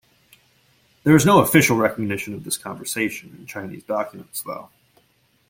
There is no official recognition of this conversation in Chinese documents, though.